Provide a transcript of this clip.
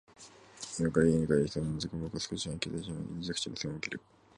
今から家に帰る必要もなかった。僕は少し考え、携帯をしまい、住宅地に背を向ける。